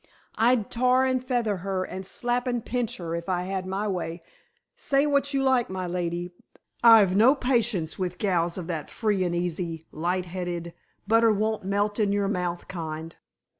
I'd tar and feather her and slap and pinch her if I had my way, say what you like, my lady. I've no patience with gals of that free and easy, light headed, butter won't melt in your mouth kind."